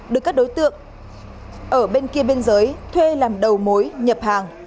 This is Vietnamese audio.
được các đối tượng ở bên kia biên giới thuê làm đầu mối nhập hàng